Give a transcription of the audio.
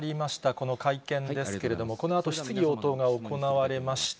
この会見ですけれども、このあと質疑応答が行われました。